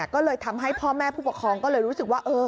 ก็เลยทำให้พ่อแม่ผู้ปกครองก็เลยรู้สึกว่า